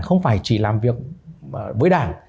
không phải chỉ làm việc với đảng